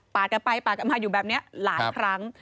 กันไปปาดกันมาอยู่แบบนี้หลายครั้ง